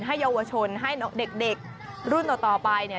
เยาวชนให้เด็กรุ่นต่อไปเนี่ย